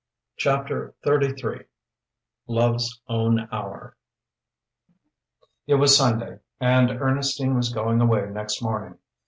CHAPTER XXXIII LOVE'S OWN HOUR It was Sunday, and Ernestine was going away next morning.